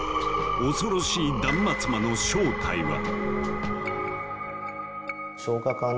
恐ろしい断末魔の正体は？